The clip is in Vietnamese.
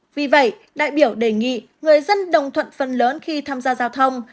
vì vậy đại biểu đề nghị người dân đồng thuận phần lớn khi tham gia giao thông